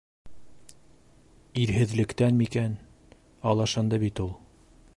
- Ирһеҙлектән микән... алышынды бит ул!